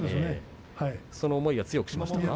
その思いを強くしましたか。